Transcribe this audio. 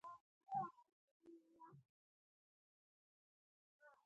ځینې نور مفهوم پراخ کړی دی.